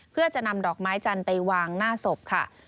เพื่อจะนำดอกไม้จันทร์ไปวางหน้าศพค่ะ